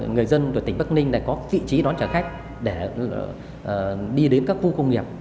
người dân của tỉnh bắc ninh lại có vị trí đón trả khách để đi đến các khu công nghiệp